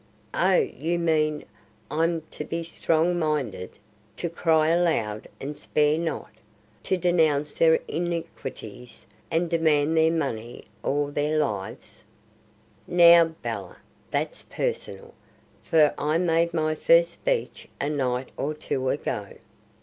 "Oh, you mean I'm to be strong minded, to cry aloud and spare not, to denounce their iniquities, and demand their money or their lives?" "Now, Bella, that's personal; for I made my first speech a night or two ago."